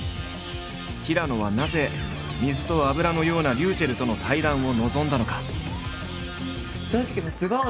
平野はなぜ水と油のようなｒｙｕｃｈｅｌｌとの対談を望んだのか。